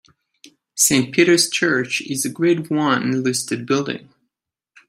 Saint Peter's Church is a Grade One listed building.